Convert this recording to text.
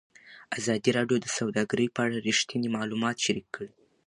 ازادي راډیو د سوداګري په اړه رښتیني معلومات شریک کړي.